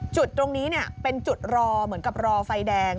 จุดตรงนี้เป็นจุดรอเหมือนกับรอไฟแดง